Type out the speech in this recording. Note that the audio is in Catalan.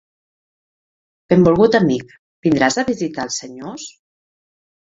Benvolgut amic, vindràs a visitar els senyors?